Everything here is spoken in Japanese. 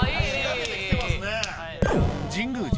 神宮寺